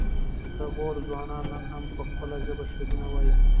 د غور ځوانان نن هم په خپله ژبه شعرونه وايي